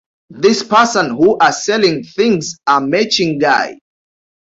This person who are selling things are maching guy